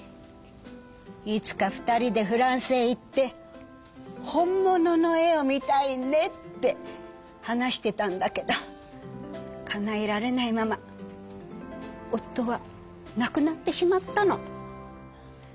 「いつか二人でフランスへ行って本物の絵を見たいね」って話してたんだけどかなえられないまま夫はなくなってしまったの。